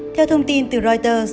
theo thông tin từ reuters